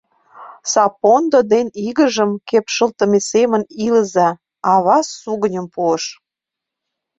Сапондо ден игыжым кепшылтыме семын илыза! — ава сугыньым пуыш.